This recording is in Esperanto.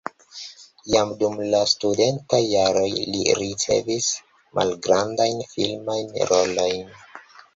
Jam dum la studentaj jaroj li ricevis malgrandajn filmajn rolojn.